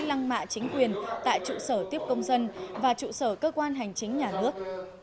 lăng mạ chính quyền tại trụ sở tiếp công dân và trụ sở cơ quan hành chính nhà nước